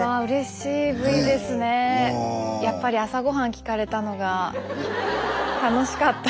やっぱり朝ごはん聞かれたのが楽しかった。